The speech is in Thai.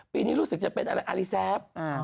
ปีนี้รู้สึกจะเป็นอะไรอารีแซฟ